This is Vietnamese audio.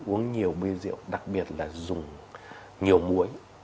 uống nhiều nguyên rượu đặc biệt là dùng nhiều muối